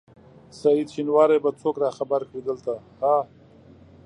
سعید شېنواری به څوک راخبر کړي دلته ها؟